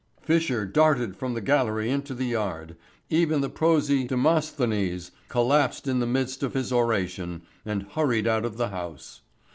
Fisher darted from the gallery into the yard. Even the prosy Demosthenes collapsed in the midst of his oration, and hurried out of the House.